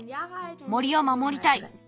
森を守りたい。